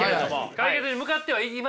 解決に向かってはいますけど。